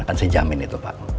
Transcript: akan saya jamin itu pak